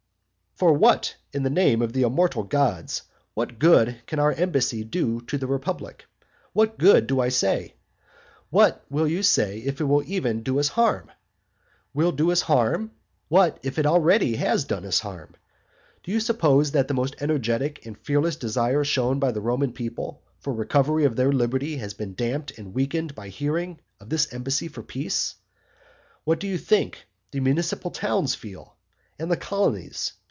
III. For what, in the name of the immortal gods! what good can our embassy do to the republic? What good, do I say? What will you say if it will even do us harm? Will do us harm? What if it already has done us harm? Do you suppose that that most energetic and fearless desire shown by the Roman people for recovery of their liberty has been damped and weakened by hearing of this embassy for peace? What do you think the municipal towns feel? and the colonies?